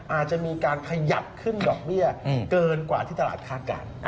อาจจะมีการขยับขึ้นดอกเบี้ยเกินกว่าที่ตลาดคาดการณ์